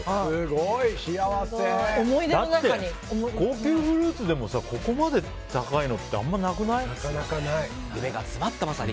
だって高級フルーツでもここまで高いのって夢が詰まったまさに。